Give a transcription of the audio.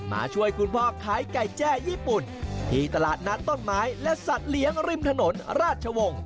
มาช่วยคุณพ่อขายไก่แจ้ญี่ปุ่นที่ตลาดนัดต้นไม้และสัตว์เลี้ยงริมถนนราชวงศ์